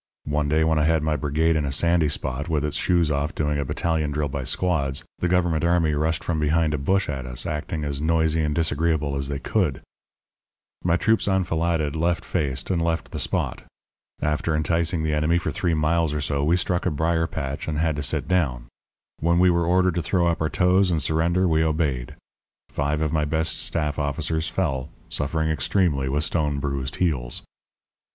One day when I had my brigade in a sandy spot, with its shoes off doing a battalion drill by squads, the Government army rushed from behind a bush at us, acting as noisy and disagreeable as they could. "My troops enfiladed, left faced, and left the spot. After enticing the enemy for three miles or so we struck a brier patch and had to sit down. When we were ordered to throw up our toes and surrender we obeyed. Five of my best staff officers fell, suffering extremely with stone bruised heels.